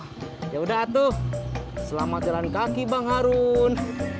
oh yaudah tuh selamat jalan kaki bang harun